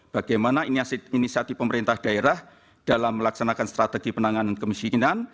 bagaimana inisiatif pemerintah daerah dalam melaksanakan strategi penanganan kemiskinan